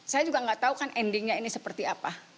saya juga nggak tahu kan endingnya ini seperti apa